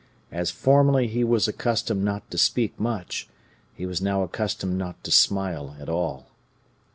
As formerly he was accustomed not to speak much, he was now accustomed not to smile at all.